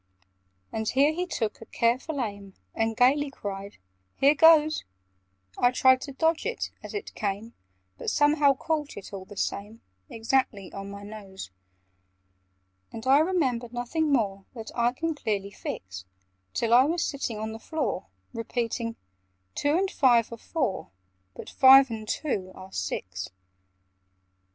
And here he took a careful aim, And gaily cried "Here goes!" I tried to dodge it as it came, But somehow caught it, all the same, Exactly on my nose. And I remember nothing more That I can clearly fix, Till I was sitting on the floor, Repeating "Two and five are four, But five and two are six."